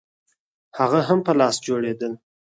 هغه هم په لاس جوړېدل